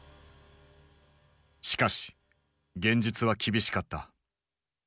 しかし現実は厳しかった。